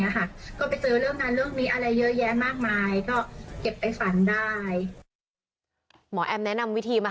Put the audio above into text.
แอมแนะนำวิธีมา